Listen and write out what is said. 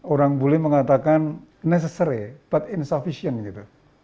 orang boleh mengatakan necessary but insufficient